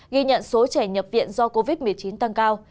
ghi nhận số trẻ nhập viện do covid một mươi chín tăng cao